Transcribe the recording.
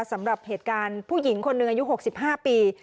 สำหรับเหตุการณ์ผู้หญิงคนหนึ่งอายุ๖๕ปี